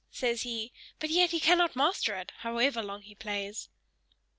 says he; but yet he cannot master it, however long he plays."